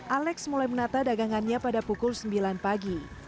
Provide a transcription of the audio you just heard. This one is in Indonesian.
alex mulai menata dagangannya pada pukul sembilan pagi